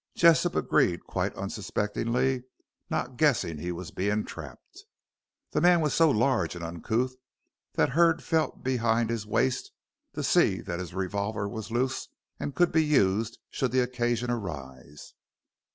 Jessop agreed quite unsuspectingly, not guessing he was being trapped. The man was so large and uncouth that Hurd felt behind his waist to see that his revolver was loose and could be used should occasion arise.